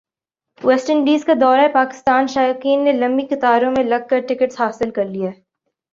waste Indies کا دورہ پاکستان شائقین نے لمبی قطاروں میں لگ کر ٹکٹس حاصل کرلئے